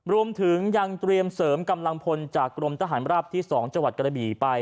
รวมถึงยังเตรียมเสริมกำลังพลจากกรมทหารราบที่๒จังหวัดกระบี่ไป